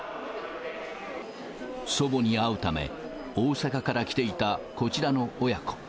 祖母に会うため、大阪から来ていたこちらの親子。